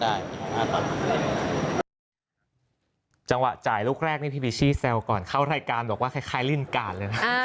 ได้จังหวะจ่ายลูกแรกนี่พี่พิชิเซลก่อนเข้ารายการบอกว่าคล้ายคล้ายลิ้นกาลเลยนะอ่า